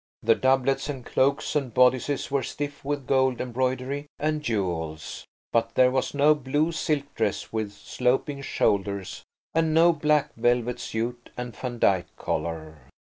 The doublets and cloaks and bodices were stiff with gold embroidery and jewels. But there was no blue silk dress with sloping shoulders and no black velvet suit and Vandyke collar.